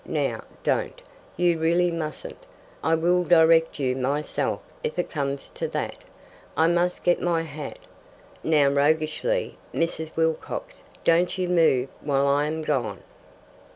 Now don't. You really mustn't. I will direct you myself if it comes to that. I must get my hat. Now" roguishly "Mrs. Wilcox, don't you move while I'm gone."